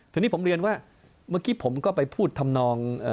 ทีนี้ผมเรียนว่าเมื่อกี้ผมก็ไปพูดทำนอง